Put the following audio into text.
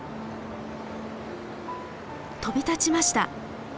飛び立ちました。